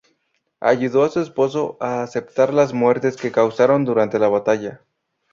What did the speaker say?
Ayudó a su esposo a aceptar las muertes que causaron durante la batalla.